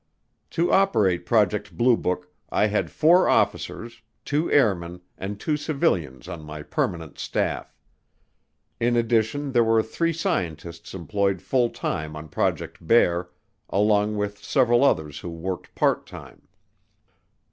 To operate Project Blue Book, I had four officers, two airmen, and two civilians on my permanent staff. In addition, there were three scientists employed full time on Project Bear, along with several others who worked part time.